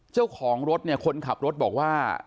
เจ้าของรถเนี่ยคนขับรถบอกว่า